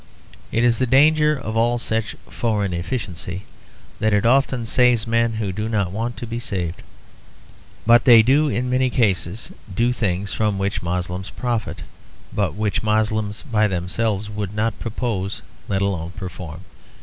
It is the danger of all such foreign efficiency that it often saves men who do not want to be saved. But they do in many cases do things from which Moslems profit, but which Moslems by themselves would not propose, let alone perform.